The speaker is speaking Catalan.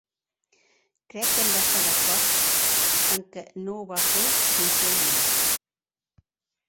Crec que hem d'estar d'acord en què no ho va fer conscientment.